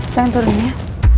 senang turun ya